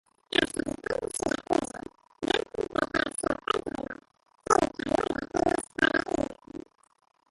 Els habitants de Siracusa van completar el seu contramur, fent que el mur d'Atenes fora inútil.